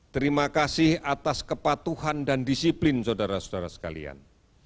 terima kasih atas kepatuhan dan disiplin saudara saudara sekalian